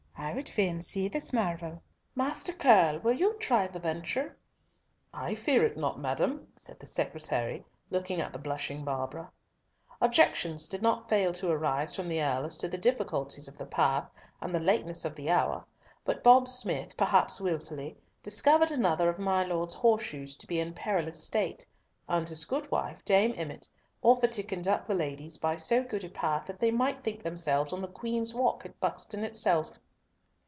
I would fain see this marvel. Master Curll, will you try the venture?" "I fear it not, madam," said the secretary, looking at the blushing Barbara. Objections did not fail to arise from the Earl as to the difficulties of the path and the lateness of the hour but Bob Smith, perhaps wilfully, discovered another of my Lord's horseshoes to be in a perilous state, and his good wife, Dame Emmott, offered to conduct the ladies by so good a path that they might think themselves on the Queen's Walk at Buxton itself.